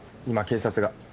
今警察が。